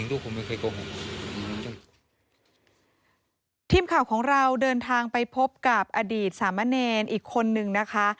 ทีมข่าวของเราเดินทางไปพบกับอดีตสามะเนรอีกคนนึงนะคะ